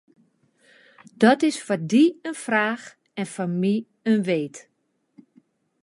Dat is foar dy in fraach en foar my in weet.